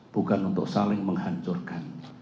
bukan untuk saling menghancurkan